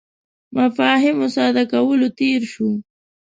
مفاهیمو ساده کولو تېر شو.